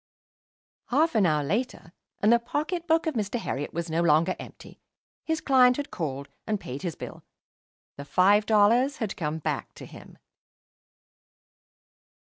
Half an hour later, and the pocket book of Mr. Herriot was no longer empty. His client had called and paid his bill. The five dollars had come back to him.